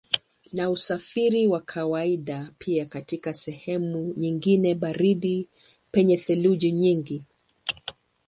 Ni usafiri wa kawaida pia katika sehemu nyingine baridi penye theluji nyingi.